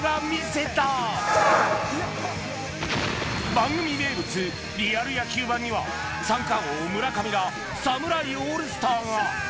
番組名物リアル野球 ＢＡＮ には三冠王村上ら侍オールスターが